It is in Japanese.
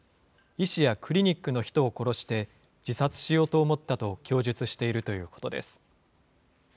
医師やクリニックの人を殺して、自殺しようと思ったと供述しているということです。